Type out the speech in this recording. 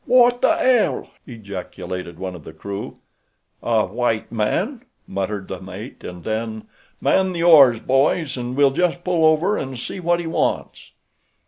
"Wot the 'ell?" ejaculated one of the crew. "A white man!" muttered the mate, and then: "Man the oars, boys, and we'll just pull over an' see what he wants."